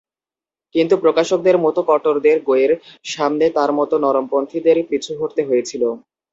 কিন্তু প্রকাশদের মতো কট্টরদের গোঁয়ের সামনে তাঁর মতো নরমপন্থীদের পিছু হটতে হয়েছিল।